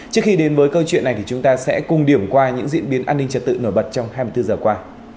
trước khi đến với câu chuyện này thì chúng ta sẽ cùng điểm qua những diễn biến an ninh trật tự nổi bật trong hai mươi bốn giờ qua